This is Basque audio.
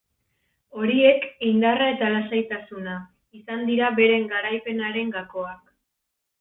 Horiek, indarra eta lasaitasuna, izan dira bere garaipenaren gakoak.